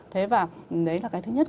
thế và đấy là cái thứ nhất